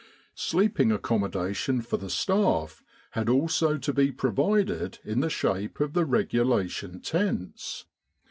Sleeping accommodation for the staff had also to be provided in the shape of the regulation tents.